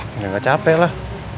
ya gak capek lah